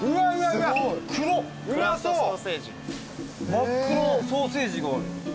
真っ黒ソーセージがある。